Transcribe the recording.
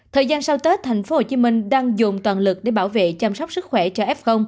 thời gian sau tết thành phố hồ chí minh đang dồn toàn lực để bảo vệ chăm sóc sức khỏe cho f